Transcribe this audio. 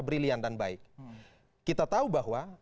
kesehatan baik kita tahu bahwa